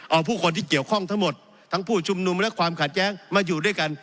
เอาผู้คนที่เกี่ยวข้องทั้งหมดทั้งผู้ชุมนุมและความขัดแย้งมาอยู่ด้วยกัน